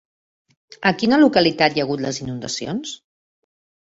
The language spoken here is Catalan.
A quina localitat hi ha hagut les inundacions?